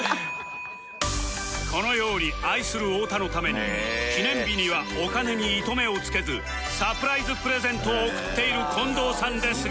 このように愛する太田のために記念日にはお金に糸目をつけずサプライズプレゼントを贈っている近藤さんですが